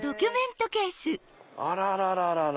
あららら！